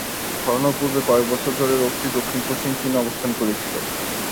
ছড়ানোর পূর্বে কয়েক বছর ধরে রোগটি দক্ষিণ-পশ্চিম চীনে অবস্থান করেছিল।